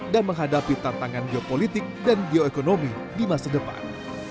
dan menghadapi tantangan geopolitik dan bioekonomi di masa depan